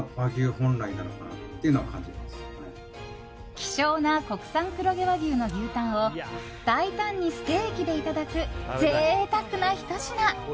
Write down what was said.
希少な国産黒毛和牛の牛タンを大胆にステーキでいただく贅沢なひと品。